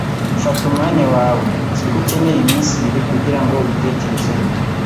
Fata umwanya wawe. Nzi ko ukeneye iminsi ibiri kugirango ubitekerezeho.